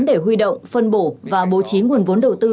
để huy động phân bổ và bố trí nguồn vốn đầu tư